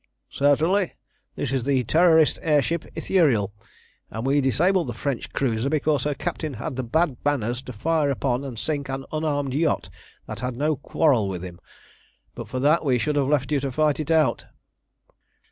"Certainly. This is the Terrorist air ship Ithuriel, and we disabled the French cruiser because her captain had the bad manners to fire upon and sink an unarmed yacht that had no quarrel with him. But for that we should have left you to fight it out."